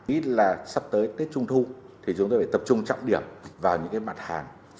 ít là sắp tới tết trung thu thì chúng tôi phải tập trung trọng điểm vào những cái mặt hàng